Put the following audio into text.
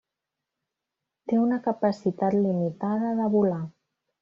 Té una capacitat limitada de volar.